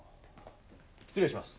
失礼します。